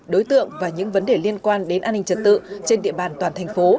đối tượng và những vấn đề liên quan đến an ninh trật tự trên địa bàn toàn thành phố